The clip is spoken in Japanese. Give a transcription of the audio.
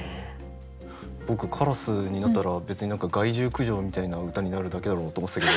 僕「カラス」になったら別に何か害獣駆除みたいな歌になるだけだろうと思ってたけど。